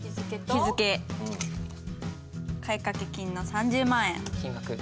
日付買掛金の３０万円。